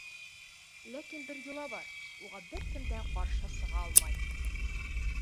Ләкин бер йола бар, уға бер кем дә ҡаршы сыға алмай.